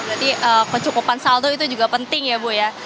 berarti kecukupan saldo itu juga penting ya bu ya